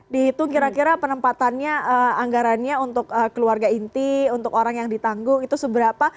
dihitung kira kira penempatannya anggarannya untuk keluarga inti untuk orang yang ditanggung itu seberapa